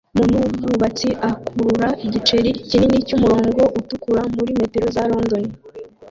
Umuntu wubwubatsi akurura igiceri kinini cyumurongo utukura muri metero za London